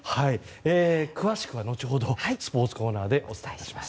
詳しくは後ほどスポーツコーナーでお伝えします。